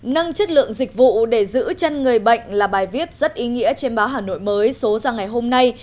nâng chất lượng dịch vụ để giữ chân người bệnh là bài viết rất ý nghĩa trên báo hà nội mới số ra ngày hôm nay